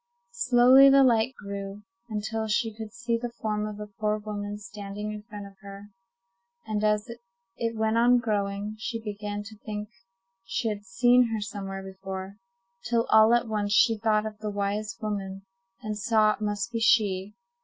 Slowly the light grew, until she could see the form of the poor woman standing in front of her; and as it went on growing, she began to think she had seen her somewhere before, till all at once she thought of the wise woman, and saw it must be she.